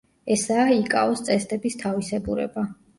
ესაა იკაოს წესდების თავისებურება.